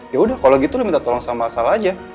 yaudah kalau gitu lo minta tolong sama sal aja